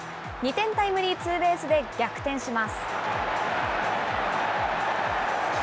２点タイムリーツーベースで逆転します。